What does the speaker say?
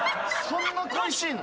そんな恋しいの？